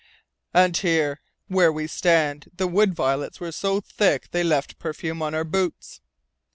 "And here where we stand the wood violets were so thick they left perfume on our boots."